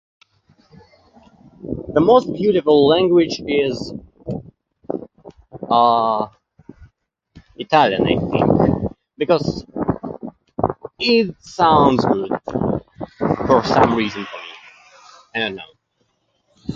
The most beautiful language is... uh, Italian, I think. Because it sounds good, for some reason for me. I don't know.